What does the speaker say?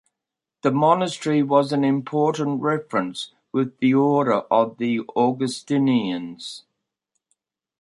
The monastery was an important reference within the order of the Augustinians.